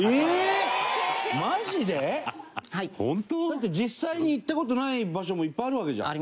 だって実際に行った事ない場所もいっぱいあるわけじゃん。